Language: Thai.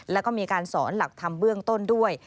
แล้วก็มีการสอนหลักธรรมเบื้องต้นด้วย